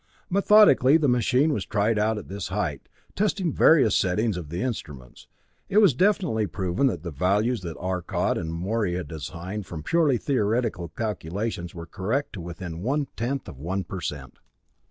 Methodically the machine was tried out at this height, testing various settings of the instruments. It was definitely proven that the values that Arcot and Morey had assigned from purely theoretical calculations were correct to within one tenth of one percent.